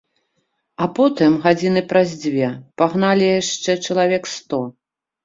А потым, гадзіны праз дзве, пагналі яшчэ чалавек сто.